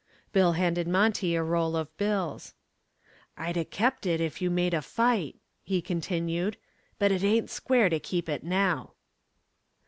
Bill handed Monty a roll of bills. "I'd a kept it if you'd made a fight," he continued, "but it ain't square to keep it now."